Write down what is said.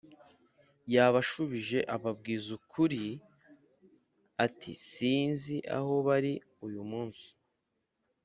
Yabashubije ababwiza ukuri ati sinzi aho bari uyu munsi